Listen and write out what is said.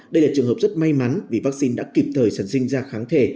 đây là trường hợp rất may mắn vì vaccine đã kịp thời sản sinh ra kháng thể